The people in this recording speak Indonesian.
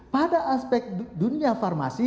pada aspek dunia farmasi